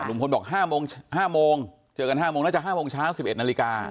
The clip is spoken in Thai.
ลุงพลบอกห้าโมงห้าโมงเจอกันห้าโมงน่าจะห้าโมงเช้าสิบเอ็ดนาฬิกา